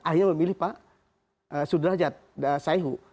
akhirnya memilih pak sudrajat saihu